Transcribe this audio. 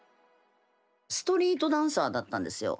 ストリートダンサーだったんですよ。